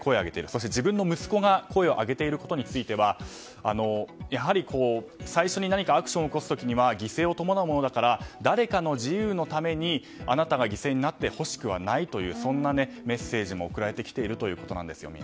そして自分の息子が声を上げていることについてはやはり最初に何かアクションを起こす時には犠牲を伴うものだから誰かの自由のためにあなたが犠牲になってほしくはないというそんなメッセージも送られてきているということです。